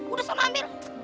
udah sama ambil